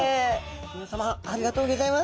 皆さまありがとうギョざいます。